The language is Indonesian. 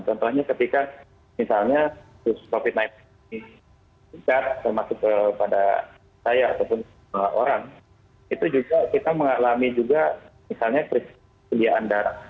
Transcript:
contohnya ketika misalnya covid sembilan belas ini terjadi pada saya ataupun orang itu juga kita mengalami juga misalnya kegiatan darah